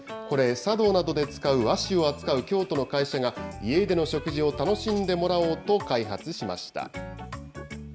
これ、茶道などで使う和紙を扱う京都の会社が、家での食事を楽しんでもらおうと開発しました。